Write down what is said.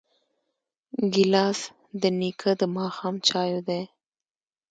ګیلاس د نیکه د ماښام چایو دی.